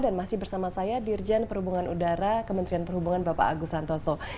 dan masih bersama saya dirjen perhubungan udara kementerian perhubungan bapak agus santoso